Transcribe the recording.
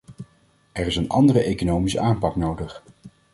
Er is een andere economische aanpak nodig.